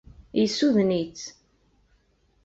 Yessuden-itt.